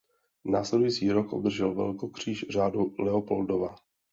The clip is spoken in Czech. Následující rok obdržel velkokříž Řádu Leopoldova.